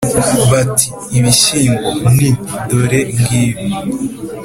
bati : ibishyimbo, nti : dore ngibi.